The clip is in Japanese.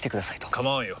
構わんよ。